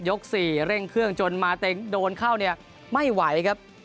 ๔เร่งเครื่องจนมาเต็งโดนเข้าเนี่ยไม่ไหวครับ